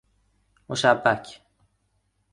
مشبک